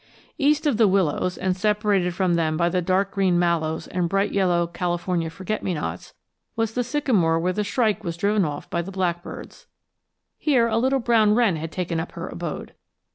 East of the willows, and separated from them by the dark green mallows and bright yellow California forget me nots, was the sycamore where the shrike was driven off by the blackbirds. Here a little brown wren had taken up her abode.